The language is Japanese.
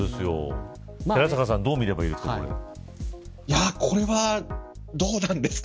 寺坂さんどう見ればいいですか。